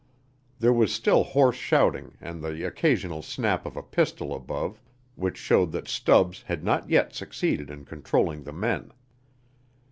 There was still hoarse shouting and the occasional snap of a pistol above, which showed that Stubbs had not yet succeeded in controlling the men.